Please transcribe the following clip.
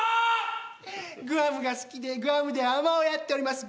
グアムが好きでグアムで海女をやっております。